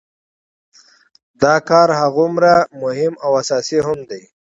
دا کار هماغومره مهم او اساسي هم دی.